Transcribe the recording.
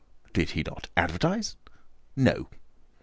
"Did he not advertise?" "No."